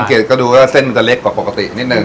ก็ดูเส้นมันจะเล็กกว่าปกตินิดนึง